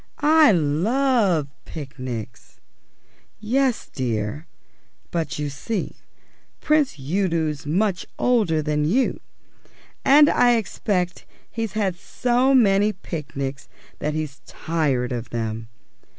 "I love picnics." "Yes, dear; but, you see, Prince Udo's much older than you, and I expect he's had so many picnics that he's tired of them.